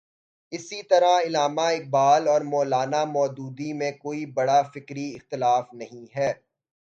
اسی طرح علامہ اقبال اور مو لا نا مو دودی میں کوئی بڑا فکری اختلاف نہیں ہے۔